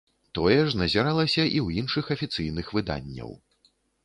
Тое ж назіралася і ў іншых афіцыйных выданняў.